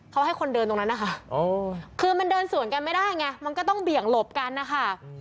เขาให้คนเดินตรงนั้นนะคะคือมันเดินสวนกันไม่ได้ไงมันก็ต้องเบี่ยงหลบกันนะคะ